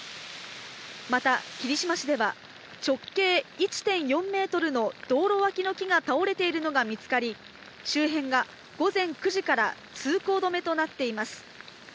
また霧島市では、直径１．４メートルの道路脇の木が倒れているのが見つかり、周辺が午前９時から通行止めとなっています。